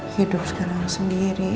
hidup sekarang sendiri